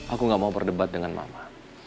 aku gak mau berdebat dengan mama